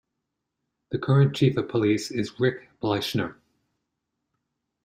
The current Chief of Police is Rick Bleichner.